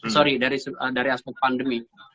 sorry dari aspek pandemi